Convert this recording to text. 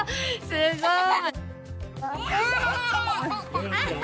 すごい。